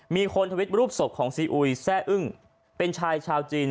ทวิตรูปศพของซีอุยแซ่อึ้งเป็นชายชาวจีน